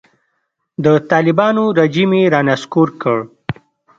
د طالبانو رژیم یې رانسکور کړ.